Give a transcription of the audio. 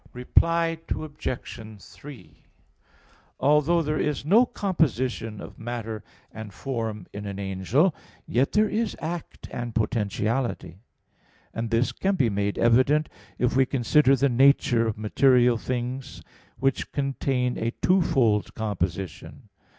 Reply Obj. 3: Although there is no composition of matter and form in an angel, yet there is act and potentiality. And this can be made evident if we consider the nature of material things which contain a twofold composition.